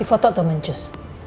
di foto atau mencus